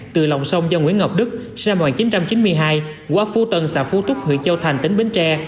từ lòng sông do nguyễn ngọc đức xã mòi chín trăm chín mươi hai quốc ốc phu tân xã phu túc huyện châu thành tỉnh bến tre